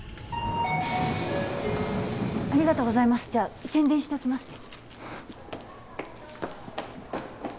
ありがとうございますじゃあ宣伝しておきますね